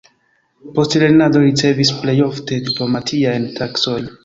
Post lernado li ricevis plej ofte diplomatiajn taskojn.